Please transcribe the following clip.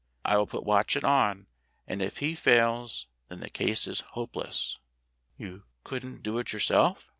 I will put Watchet on, and if he fails, then the case is hopeless." "You couldn't do it yourself